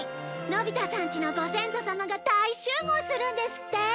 のび太さんちのご先祖さまが大集合するんですって！